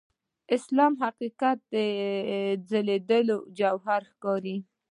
اسلام حقیقت ځلېدونکي جوهر ښکاري.